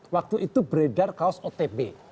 waktu itu beredar kaos otb